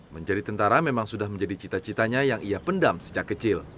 menjadi tentara memang sudah menjadi cita citanya yang ia pendam sejak kecil